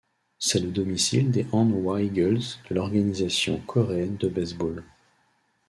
C'est le domicile des Hanwha Eagles de l'Organisation coréenne de baseball.